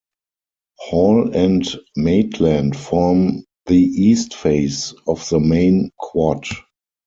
Hall and Maitland form the East face of the main quad.